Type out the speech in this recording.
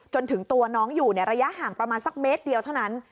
จนถึงตัวน้องอยู่ในระยะห่างประมาณสักเมตรเดียวเท่านั้น